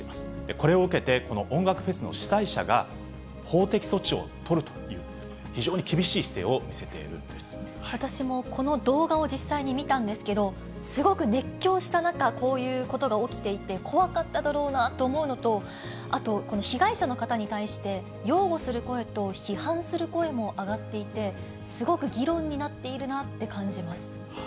これを受けて、この音楽フェスの主催者が法的措置を取るという、非常に厳しい姿私もこの動画を実際に見たんですけど、すごく熱狂した中、こういうことが起きていて、怖かっただろうなと思うのと、あと、この被害者の方に対して、擁護する声と批判する声も上がっていて、すごく議論になっているなって感じます。